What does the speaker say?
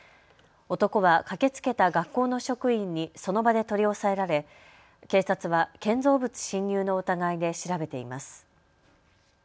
男は駆けつけた学校の職員にその場で取り押さえられ警察は建造物侵入の疑いで調べています。